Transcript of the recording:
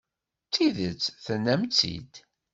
Tidet, tennam-tt-id.